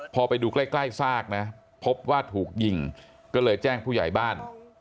พอไปดูใกล้ใกล้ซากนะพบว่าถูกยิงก็เลยแจ้งผู้ใหญ่บ้าน